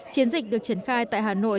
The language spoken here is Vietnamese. chiến dịch được triển khai tại hà nội